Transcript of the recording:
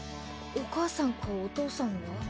お母さんかお父さんは？